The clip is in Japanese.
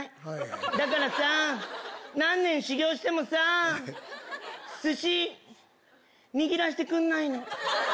だからさ、何年修業してもさ、すし、握らしてくんないの。